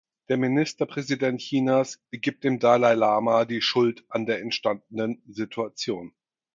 Der Ministerpräsident Chinas gibt dem Dalai Lama die Schuld an der entstandenen Situation.